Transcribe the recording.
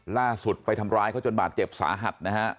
ล่าสุดไปทำร้ายเขาจนบาดเจ็บสาหัสนะฮะ